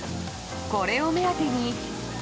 これを目当てに。